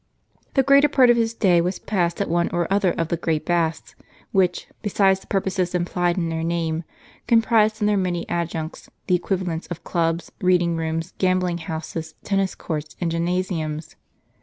The greater part of his day was passed at one or other of the great baths, which, besides the purposes implied in their name, comprised in their many adjuncts the equivalents of clubs, reading rooms, gambling houses, tennis courts, and gymna siums.